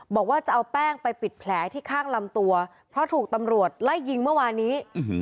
บอกว่าจะเอาแป้งไปปิดแผลที่ข้างลำตัวเพราะถูกตำรวจไล่ยิงเมื่อวานนี้